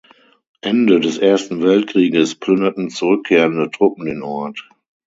Ende des Ersten Weltkrieges plünderten zurückkehrende Truppen den Ort.